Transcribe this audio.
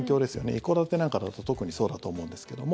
一戸建てなんかだと特にそうだと思うんですけど。